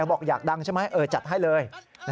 บอกอยากดังใช่ไหมจัดให้เลย